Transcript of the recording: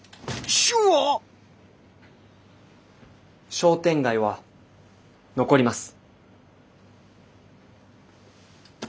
商店街は残ります。